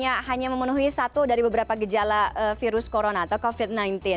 hanya memenuhi satu dari beberapa gejala virus corona atau covid sembilan belas